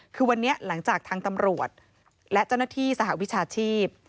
คือวันนี้หลังจากทางตำรวจและเจ้าหน้าที่สหวิชาชีพ